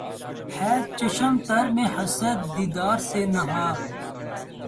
ھے چشم تر میں حسرت دیدار سے نہاں